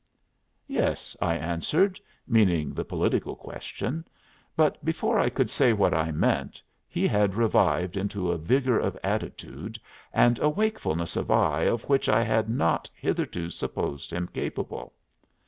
"Yes," I answered, meaning the political question. But before I could say what I meant he had revived into a vigor of attitude and a wakefulness of eye of which I had not hitherto supposed him capable.